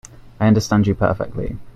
I understand you perfectly.